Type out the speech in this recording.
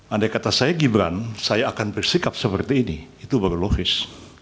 andai kata saya gibran saya akan bersikap seperti ini itu baru logis